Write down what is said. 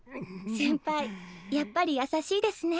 先輩やっぱりやさしいですね。